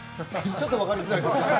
ちょっと分かりづらい。